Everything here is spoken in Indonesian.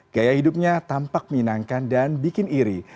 gaya hidupnya tampak menyenangkan dan bikin iri